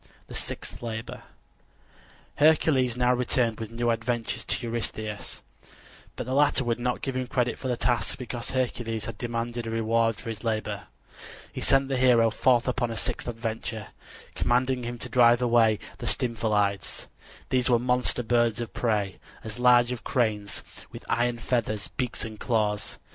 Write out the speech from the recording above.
THE SIXTH LABOR Hercules now returned with new adventures to Eurystheus; but the latter would not give him credit for the task because Hercules had demanded a reward for his labor. He sent the hero forth upon a sixth adventure, commanding him to drive away the Stymphalides. These were monster birds of prey, as large as cranes, with iron feathers, beaks and claws.